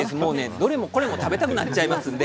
どれもこれも食べたくなっちゃいますので。